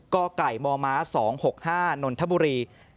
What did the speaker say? กไก่มม๒๖๕นนทบุรี